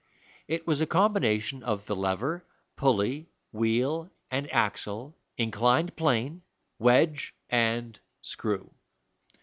It was a combination of the lever, pulley, wheel and axle, inclined plane, wedge and screw.